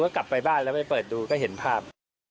ก็กลับไปบ้านแล้วไปเปิดดูก็เห็นภาพ